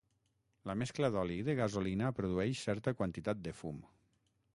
La mescla d'oli i de gasolina produeix certa quantitat de fum.